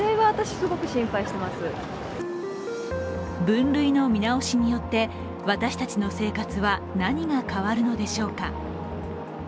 分類の見直しによって私たちの生活は何が変わるのでしょうか。